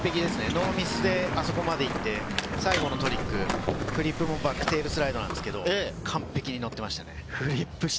ノーミスであそこまでいって最後のトリック、フリップもバックテールスライドなんですけど、完璧に乗っていました。